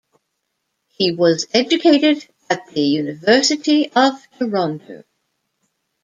He was educated at the University of Toronto.